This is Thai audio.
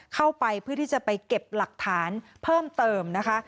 เพื่อที่จะไปเก็บหลักฐานเพิ่มเติมนะคะ